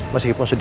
masih pun sedikit